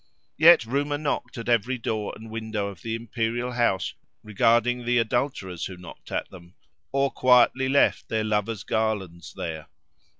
Yet rumour knocked at every door and window of the imperial house regarding the adulterers who knocked at them, or quietly left their lovers' garlands there.